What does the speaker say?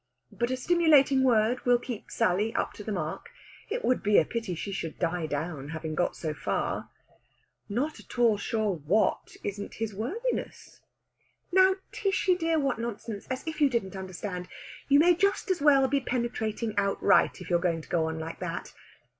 But a stimulating word will keep Sally up to the mark. It would be a pity she should die down, having got so far. "Not at all sure what isn't his worthiness!" "Now, Tishy dear, what nonsense! As if you didn't understand! You may just as well be penetrating outright, if you're going to go on like that.